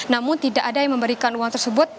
namun tidak ada yang memberikan uang tersebut